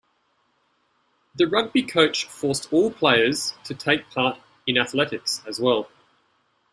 The rugby coach forced all players to take part in athletics as well.